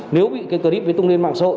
nếu bị cái clip mới tung lên mạng xã hội